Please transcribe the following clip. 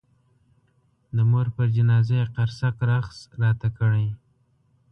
د مور پر جنازه یې قرصک رقص راته کړی.